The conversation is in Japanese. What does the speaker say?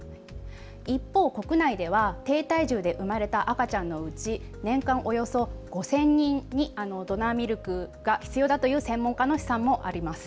一方、国内では低体重で生まれた赤ちゃんのうち、年間およそ５０００人にドナーミルクが必要だという専門家の試算もあります。